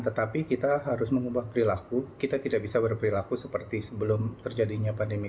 tetapi kita harus mengubah perilaku kita tidak bisa berperilaku seperti sebelum terjadinya pandemi covid sembilan belas ini